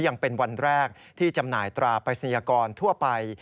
ยังเป็นวันแรกที่จำหน่ายตราปริศนียกรทั่วไป